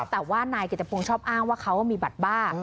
แต่ว่านายกิจพงศ์ชอบอ้างว่าเขามีบัตรบ้า